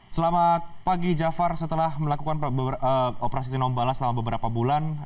selamat pagi jafar setelah melakukan operasi tinombala selama beberapa bulan